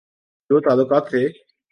جو تعلقات تھے۔